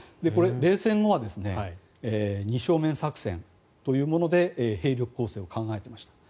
これ、冷戦後は二正面作戦というもので兵力構成を考えていました。